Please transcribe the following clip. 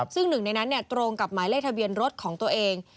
ซึ่งหนึ่งในนั้นตรงกับหมายเลขทะเบียนรถของตัวเอง